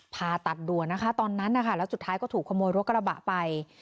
ผ่าตัดดัวตอนนั้นแล้วสุดท้ายก็ถูกขโมยรถกระบะไป